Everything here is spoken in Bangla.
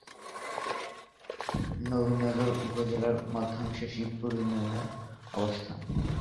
নবীনগর উপজেলার মধ্যাংশে শিবপুর ইউনিয়নের অবস্থান।